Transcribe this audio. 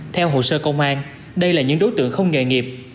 theo hồ sơ công an đây là những đối tượng không nghề nghiệp